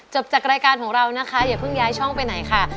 จากรายการของเรานะคะอย่าเพิ่งย้ายช่องไปไหนค่ะ